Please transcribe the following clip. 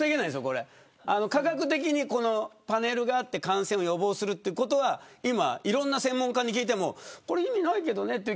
科学的にこのパネルがあって感染予防をするということはいろんな専門家に聞いても意味ないけどねと。